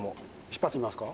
引っ張ってみますか？